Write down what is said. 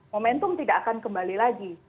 momentum tidak akan kembali lagi